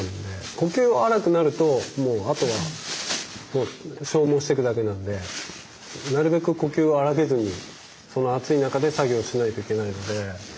呼吸荒くなるともうあとはもう消耗してくだけなんでなるべく呼吸を荒げずにその暑い中で作業しないといけないので。